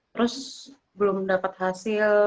terus belum dapat hasil